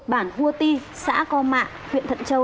bản hua ti xã co mạ huyện thận châu